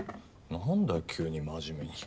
なんだよ急に真面目に。